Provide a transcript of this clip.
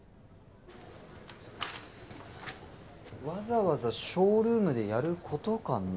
わざわざショールームでやることかな？